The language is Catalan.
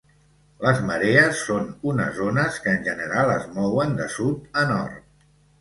Les marees són unes ones que en general es mouen de sud a nord.